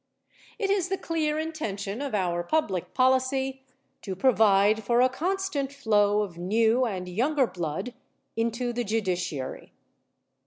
It is the clear intention of our public policy to provide for a constant flow of new and younger blood into the judiciary.